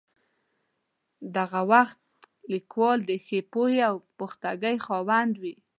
دغه وخت لیکوال د ښې پوهې او پختګۍ خاوند وي.